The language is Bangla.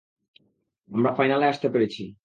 আমরা ফাইনালে আসতে পেরেছি।